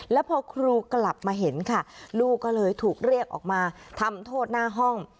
แล้วพอครูกลับมาเห็นค่ะลูกก็เลยถูกเรียกออกมาทำโทษหน้าห้อง